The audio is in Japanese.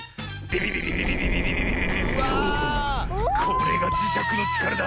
これがじしゃくのちからだ。